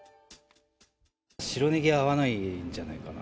白ネギは合わないんじゃないかな。